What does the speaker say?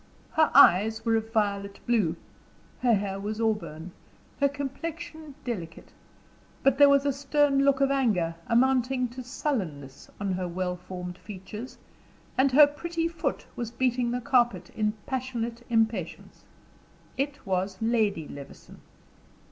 Her eyes were of violet blue, her hair was auburn, her complexion delicate; but there was a stern look of anger, amounting to sullenness, on her well formed features, and her pretty foot was beating the carpet in passionate impatience. It was Lady Levison.